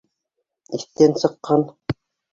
Иҫтән сыҡҡан!